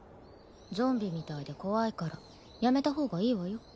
ゾンビみたいで怖いからやめた方がいいわよ。